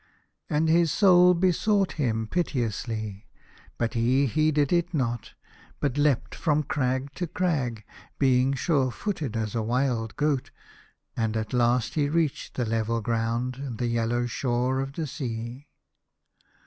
And his Soul besought him piteously, but he heeded it not, but leapt from crag to crag, being sure footed as a wild goat, and at last he 83 A House of Pomegranates. reached the level ground and the yellow shore of the sea.